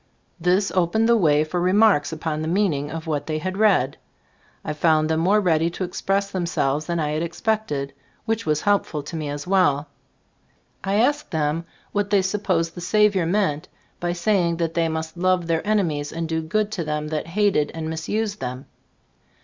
This opened the way for remarks upon the mean ing of what they had read. I found them more ready to express them selves than I had expected, which was helpful to me as well. I asked them what they supposed the Saviour meant by saying that they must love their enemies and do good to them that hated and misused them?